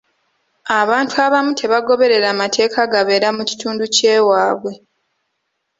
Abantu abamu tebagoberera mateeka gabeera mu kitundu ky'ewaabwe.